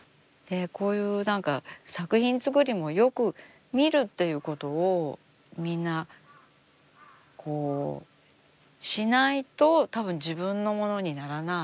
こういう何か作品作りもよく見るということをみんなしないとたぶん自分のものにならない